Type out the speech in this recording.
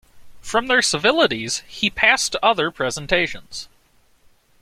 From their civilities he passed to other presentations.